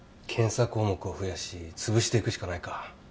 検査項目を増やし潰していくしかないか。